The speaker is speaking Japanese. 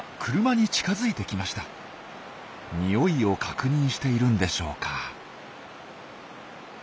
においを確認しているんでしょうか。